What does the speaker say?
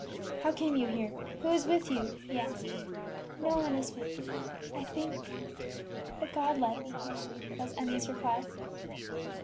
"How came you here? who is with you?" he asked. "No one is with me; I think that God led me here," was Emmie's reply.